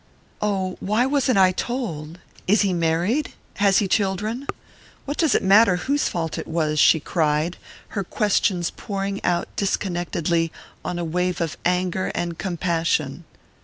"Oh, why wasn't I told? Is he married? Has he children? What does it matter whose fault it was?" she cried, her questions pouring out disconnectedly on a wave of anger and compassion.